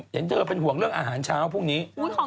เห็นเจอเผื่อหวังอาหารเช้าพรุ่งนี้